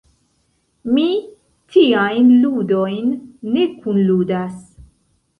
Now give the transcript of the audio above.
Mi tiajn ludojn ne kunludas.